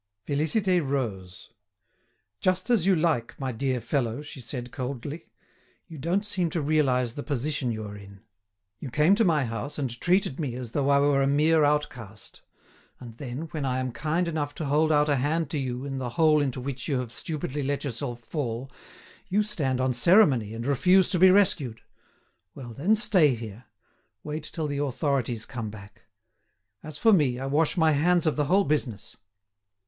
Félicité rose. "Just as you like my dear fellow," she said, coldly. "You don't seem to realise the position you are in. You came to my house and treated me as though I were a mere outcast; and then, when I am kind enough to hold out a hand to you in the hole into which you have stupidly let yourself fall, you stand on ceremony, and refuse to be rescued. Well, then, stay here, wait till the authorities come back. As for me, I wash my hands of the whole business."